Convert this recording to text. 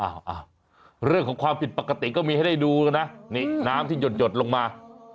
อ้าวอ้าวอ้าวเรื่องของความผิดปกติก็จะมีให้ได้ดูนะนิ้นน้ำที่หยดหยดลงมา